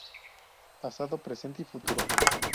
Pasado, presente y futuro.